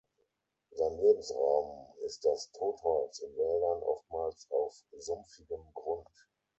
Sein Lebensraum ist das Totholz in Wäldern, oftmals auf sumpfigem Grund.